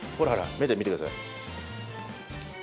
目で見てください。